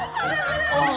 iya soalnya diskolat tuh ya